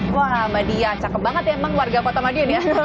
wah sama dia cakep banget ya emang warga kota madiun ya